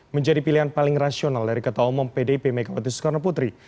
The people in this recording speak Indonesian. menjadi pilihan paling rasional dari ketua umum pdip megawati soekarno putri